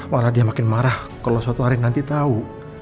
mana dia makin marah kalau suatu hari nanti tau